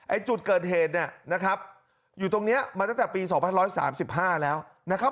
จุดเกิดเหตุเนี่ยนะครับอยู่ตรงนี้มาตั้งแต่ปี๒๑๓๕แล้วนะครับ